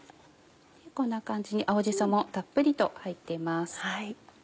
こんな感じに青じそもたっぷりと入っています。